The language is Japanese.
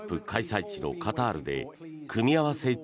開催地のカタールで組み合わせ